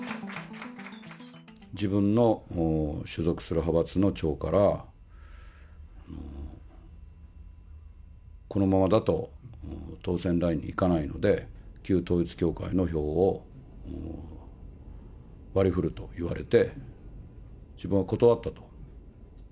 自分の所属する派閥の長から、このままだと、当選ラインに行かないので、旧統一教会の票を、割りふると言われて、自分は断ったと。